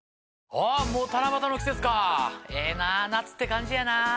あっもう七夕の季節かええな夏って感じやなぁ。